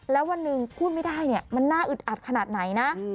แล้ววันหนึ่งพูดไม่ได้เนี่ยมันน่าอึดอัดขนาดไหนนะ